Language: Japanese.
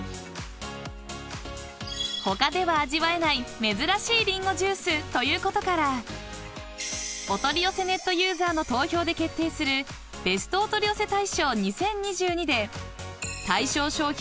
［他では味わえない珍しいりんごジュースということからおとりよせネットユーザーの投票で決定するベストお取り寄せ大賞２０２２で対象商品